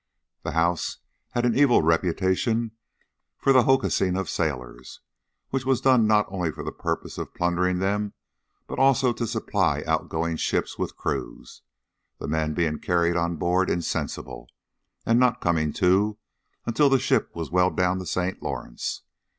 The house had an evil reputation for the hocussing of sailors, which was done not only for the purpose of plundering them, but also to supply outgoing ships with crews, the men being carried on board insensible, and not coming to until the ship was well down the St. Lawrence.